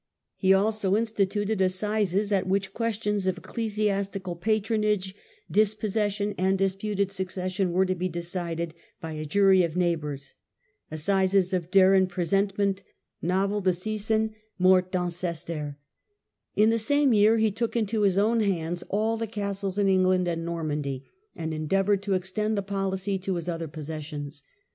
He also instituted Assizes, at which questions of ecclesiastical patronage, disposses sion, and disputed succession were to be decided by a jury of neighbours (Assizes of Darrein Presentment^ Noi^el Disseisin^ Mort tTAncester), In the same year he took into his own hands all the castles in England and Nor mandy, and endeavoured to extend the policy to his other possessions.